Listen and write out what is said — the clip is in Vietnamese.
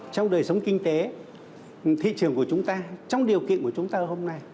trong đời sống kinh tế thị trường của chúng ta trong điều kiện của chúng ta hôm nay